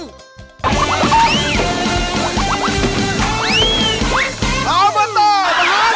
สวัสดีครับสวัสดีครับ